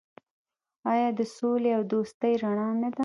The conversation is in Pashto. آیا د سولې او دوستۍ رڼا نه ده؟